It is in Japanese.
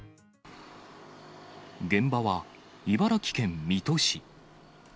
現場は、茨城県水戸市。